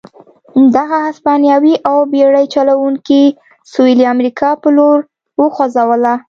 دغه هسپانوي او بېړۍ چلوونکي سوېلي امریکا په لور وخوځوله.